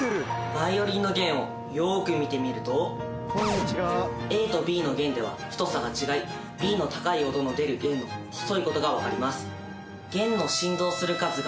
バイオリンの弦をよく見てみるとＡとＢの弦では太さが違いＢの高い音の出る弦は細いことが分かります。